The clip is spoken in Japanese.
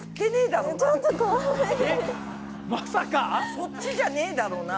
そっちじゃねえだろうな？